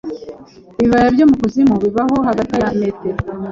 Ibibaya byo mu kuzimu bibaho hagati ya metero